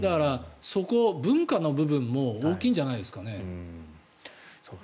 そこを文化の部分も大きいんじゃないんですかね。